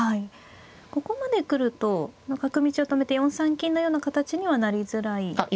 ここまで来ると角道を止めて４三金のような形にはなりづらいですか。